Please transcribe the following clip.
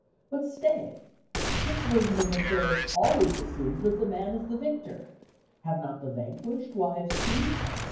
But stay! This version of affairs always assumes that the man is the victor. Have not the vanquished wives, too?